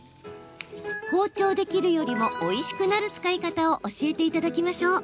包丁で切るよりもおいしくなる使い方を教えていただきましょう。